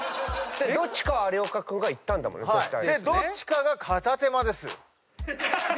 どっちかは有岡君が言ったんだもんね絶対。